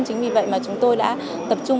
chính vì vậy mà chúng tôi đã tập trung